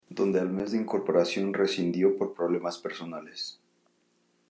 Donde al mes de incorporación rescindió por problemas personales.